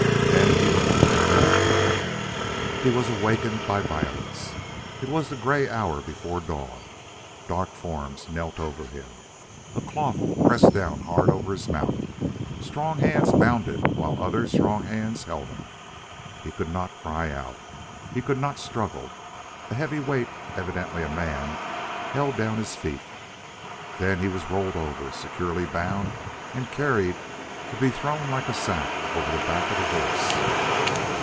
Then he went to bed. He was awakened by violence. It was the gray hour before dawn. Dark forms knelt over him. A cloth pressed down hard over his mouth: Strong hands bound it while other strong hands held him. He could not cry out. He could not struggle. A heavy weight, evidently a man, held down his feet. Then he was rolled over, securely bound, and carried, to be thrown like a sack over the back of a horse.